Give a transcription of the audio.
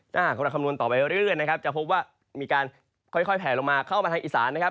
ถ้าหากเราคำนวณต่อไปเรื่อยนะครับจะพบว่ามีการค่อยแผลลงมาเข้ามาทางอีสานนะครับ